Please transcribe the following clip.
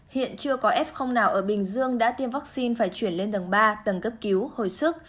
hiện chưa có f nào ở bình dương đã tiêm vaccine phải chuyển lên tầng ba tầng cấp cứu hồi sức